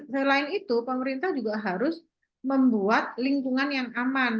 selain itu pemerintah juga harus membuat lingkungan yang aman